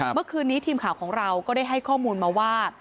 เมื่อคืนนี้ทีมข่าวของเราก็ได้ให้ข้อมูลมาว่า